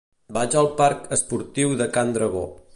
Vaig al parc Esportiu de Can Dragó.